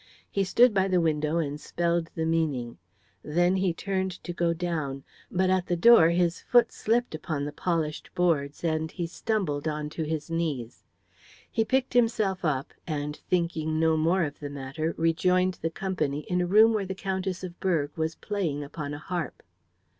He stood by the window and spelled the meaning. Then he turned to go down; but at the door his foot slipped upon the polished boards, and he stumbled onto his knee. He picked himself up, and thinking no more of the matter rejoined the company in a room where the Countess of Berg was playing upon a harp.